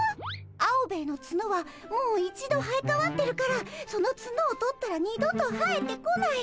アオベエのツノはもう一度生えかわってるからそのツノを取ったら二度と生えてこない。